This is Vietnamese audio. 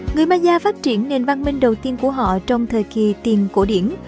người maya phát triển nền văn minh đầu tiên của họ trong thời kỳ tiền cổ điển